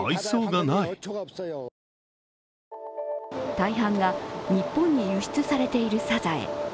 大半が日本に輸出されているサザエ。